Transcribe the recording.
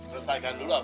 selesaikan dulu abang